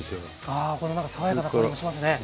あこのなんか爽やかな香りもしますね。